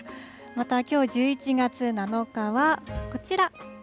またきょう１１月７日はこちら。